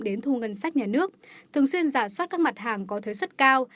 đến thu ngân sách nhà nước thường xuyên giả soát các mặt hàng có thuế xuất cao